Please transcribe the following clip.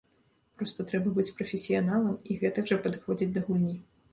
Проста трэба быць прафесіяналам і гэтак жа падыходзіць да гульні.